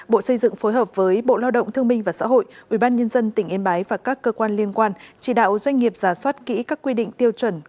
bộ xây dựng phối hợp với bộ lao động thương minh và xã hội ubnd tỉnh yên bái và các cơ quan liên quan chỉ đạo doanh nghiệp giả soát kỹ các quy định tiêu chuẩn